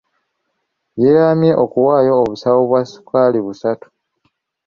Yeeyamye okuwaayo obusawo bwa ssukaali busatu.